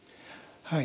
はい。